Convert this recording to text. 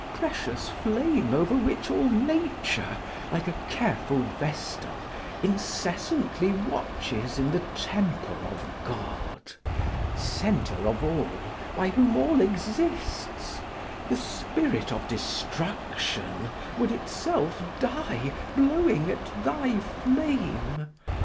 precious flame over which all nature, like a careful vestal, incessantly watches in the temple of God! Center of all, by whom all exists! The spirit of destruction would itself die, blowing at thy flame!